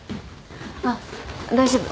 あっ大丈夫。